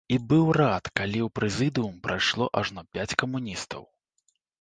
І быў рад, калі ў прэзідыум прайшло ажно пяць камуністаў.